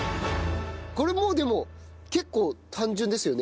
これもうでも結構単純ですよね？